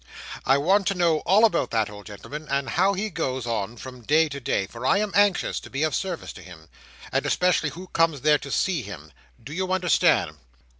I want to know all about that old gentleman, and how he goes on from day to day—for I am anxious to be of service to him—and especially who comes there to see him. Do you understand?"